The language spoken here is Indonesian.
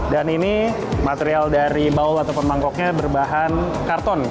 dan ini material dari bowl atau pangkoknya berbahan karton